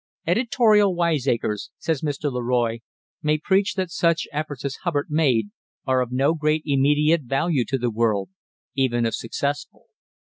"Editorial wiseacres," says Mr. LeRoy, "may preach that such efforts as Hubbard made are of no great immediate value to the world, even if successful.